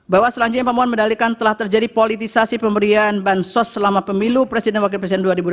bahwa selanjutnya yang pemohon mendalikan telah terjadi politisasi pemberian bansos selama pemilu presiden wakil presiden dua ribu empat